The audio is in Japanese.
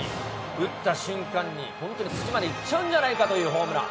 打った瞬間に、本当に月まで行っちゃうんじゃないかというホームラン。